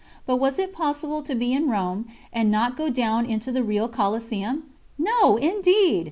But was it possible to be in Rome and not go down to the real Coliseum? No, indeed!